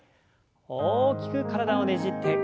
大きく体をねじって。